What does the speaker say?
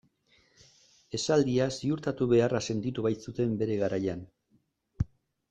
Esaldia ziurtatu beharra sentitu baitzuten bere garaian.